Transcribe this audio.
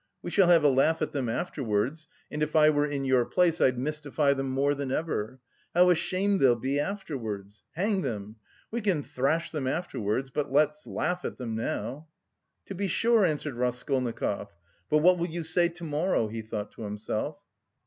We shall have a laugh at them afterwards, and if I were in your place I'd mystify them more than ever. How ashamed they'll be afterwards! Hang them! We can thrash them afterwards, but let's laugh at them now!" "To be sure," answered Raskolnikov. "But what will you say to morrow?" he thought to himself.